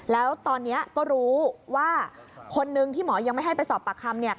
แล้วตอนนี้ก็รู้ว่าคนนึงที่หมอยังไม่ให้ไปสอบปากคำ